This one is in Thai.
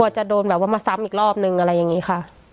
จะโดนแบบว่ามาซ้ำอีกรอบนึงอะไรอย่างนี้ค่ะ